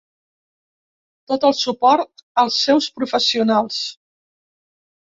Tot el suport als seus professionals.